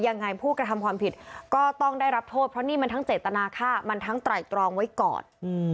ผู้กระทำความผิดก็ต้องได้รับโทษเพราะนี่มันทั้งเจตนาค่ามันทั้งไตรตรองไว้ก่อน